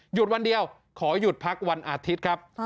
หยุดวันเดียวขอหยุดพักวันอาทิตย์ครับ